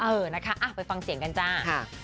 เออนะคะไปฟังเสียงกันจ้า